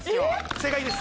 正解です。